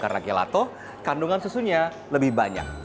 karena gelato kandungan susunya lebih banyak